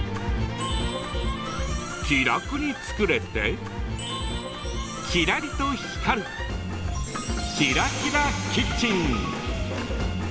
気楽に作れて、キラリと光る「ＫｉｒａＫｉｒａキッチン」。